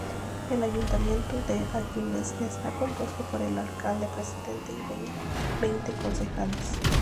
El ayuntamiento de Agüimes está compuesto por el alcalde-presidente y veinte concejales.